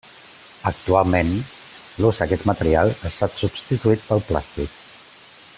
Actualment, l'ús d'aquest material ha estat substituït pel plàstic.